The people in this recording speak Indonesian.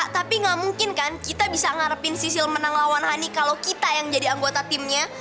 tapi gak mungkin kan kita bisa ngarepin sisil menang lawan honey kalau kita yang jadi anggota timnya